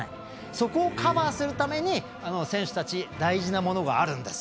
そこをカバーするために選手たち大事なものがあるんです。